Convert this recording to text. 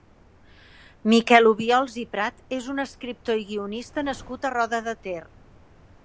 Miquel Obiols i Prat és un escriptor i guionista nascut a Roda de Ter.